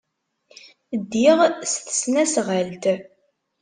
Ddiɣ s tesnasɣalt.